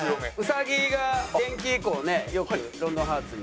兎が電気以降ねよく『ロンドンハーツ』に。